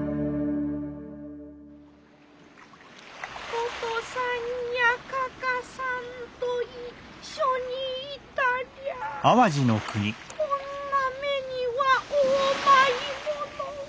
「ととさんやかかさんと一緒にいたりゃこんな目には遭うまいものを。